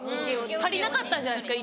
足りなかったんじゃないですか？